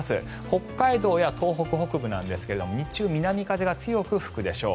北海道や東北北部なんですが日中、南風が強く吹くでしょう。